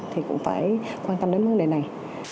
thì cũng phải quan tâm đến vấn đề này